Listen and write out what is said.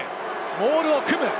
モールを組む。